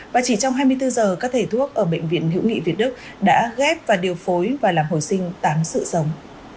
và chỉ trong hai mươi bốn giờ các thể thuốc ở bệnh viện hữu nghị việt đức đã ghép và điều phối và làm hồi sinh tám sự sống